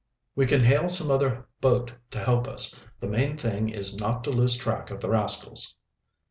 "We can hail some other boat to help us. The main thing is not to lose track of the rascals."